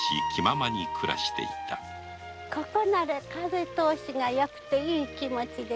ここなら風通しがよくていい気持ですわ。